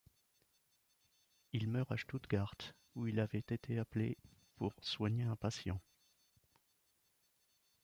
Il meurt à Stuttgart, où il avait été appelé pour soigner un patient.